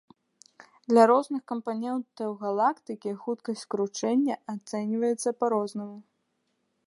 Для розных кампанентаў галактыкі хуткасць кручэння ацэньваецца па-рознаму.